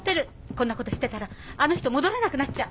こんなことしてたらあの人戻れなくなっちゃう。